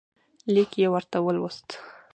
لیک یې ورته ولوست.